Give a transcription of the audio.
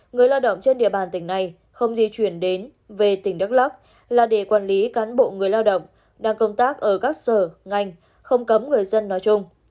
người lao động trên địa bàn tỉnh này không di chuyển đến về tỉnh đắk lắc là để quản lý cán bộ người lao động đang công tác ở các sở ngành không cấm người dân nói chung